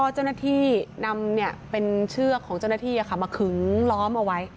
เจ้าหน้าที่นำเป็นเชือกของเจ้าหน้าที่มาขึงล้อมเอาไว้